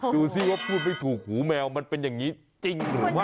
มันไม่ถูกหูแมวมันเป็นอย่างนี้จริงหรือไม่